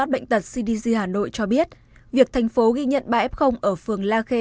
bệnh tật cdc hà nội cho biết việc thành phố ghi nhận ba f ở phường la khe